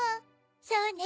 そうね。